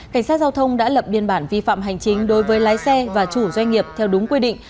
cảnh sát giao thông đã lập biên bản vi phạm hành chính đối với lái xe và chủ doanh nghiệp theo đúng quy định